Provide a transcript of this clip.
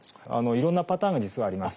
いろんなパターンが実はあります。